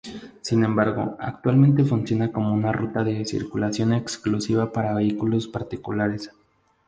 Sin embargo, actualmente funciona como una ruta de circulación exclusiva para vehículos particulares.